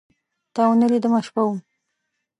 تاونه لیدمه، شپه وم